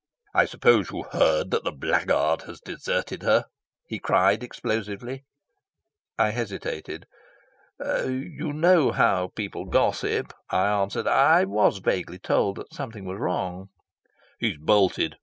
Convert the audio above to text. "I suppose you've heard that blackguard has deserted her," he cried explosively. I hesitated. "You know how people gossip," I answered. "I was vaguely told that something was wrong." "He's bolted.